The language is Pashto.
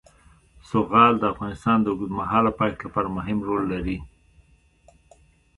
زغال د افغانستان د اوږدمهاله پایښت لپاره مهم رول لري.